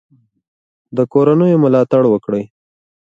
د کورنیو ملاتړ وکړئ.